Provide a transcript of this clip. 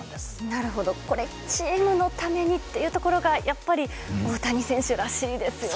なるほど、これ、チームのためにっていうところが、やっぱり大谷選手らしいですよね。